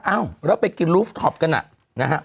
อ้าวแล้วไปกินลูฟท็อปขนาด